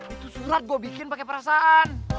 itu surat gua bikin pake perasaan